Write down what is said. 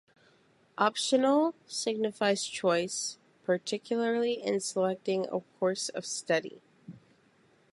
"Optional" signifies choice, particularly in selecting a course of study.